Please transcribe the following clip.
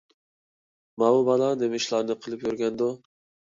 ماۋۇ بالا نېمە ئىشلارنى قىلىپ يۈرگەندۇ؟